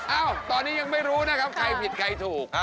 อ้าวตอนนี้ยังไม่รู้นะครับใครผิดใครถูก